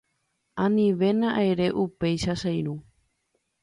Anivéna ere upéicha che irũ